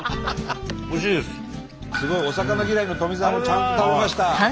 すごい！お魚嫌いの富澤もちゃんと食べました。